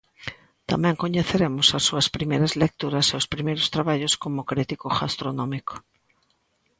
Tamén coñeceremos as súas primeiras lecturas e os primeiros traballos como crítico gastronómico.